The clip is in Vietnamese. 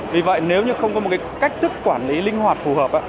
vì vậy nếu như không có một cách thức quản lý linh hoạt phù hợp